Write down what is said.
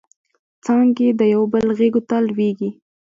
څانګې د یوبل غیږو ته لویږي